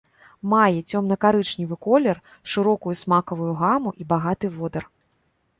Мае цёмна-карычневы колер, шырокую смакавую гаму і багаты водар.